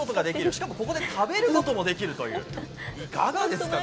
しかも、ここで食べることもできるという、いかがですか？